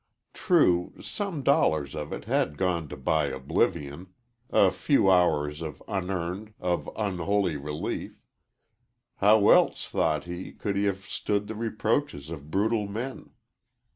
True, some dollars of it had gone to buy oblivion a few hours of unearned, of unholy relief. How else, thought he, could he have stood the reproaches of brutal men?